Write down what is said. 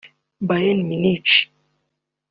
Bayern Munich